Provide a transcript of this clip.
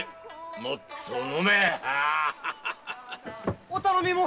もっと飲め！〕